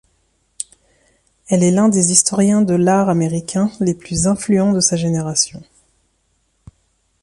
Elle est l'un des historiens de l'art américains les plus influents de sa génération.